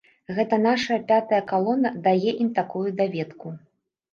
Гэта нашая пятая калона дае ім такую даведку.